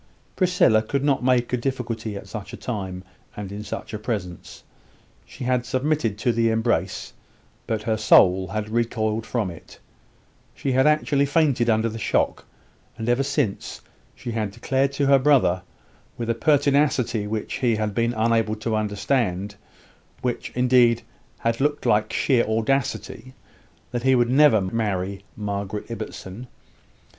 Priscilla could not make a difficulty at such a time, and in such a presence; she had submitted to the embrace, but her soul had recoiled from it; she had actually fainted under the shock: and ever since, she had declared to her brother, with a pertinacity which he had been unable to understand which, indeed, had looked like sheer audacity, that he would never marry Margaret Ibbotson.